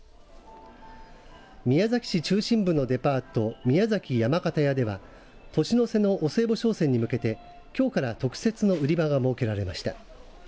宮崎市中心部のデパート宮崎山形屋では年の瀬のお歳暮商戦に向けてきょうから特設の売り場が設けられました。